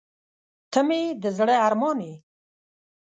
• ته مې د زړه ارمان یې.